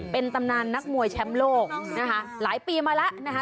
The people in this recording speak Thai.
เป็นตำนานนักมวยแชมป์โลกนะคะหลายปีมาแล้วนะคะ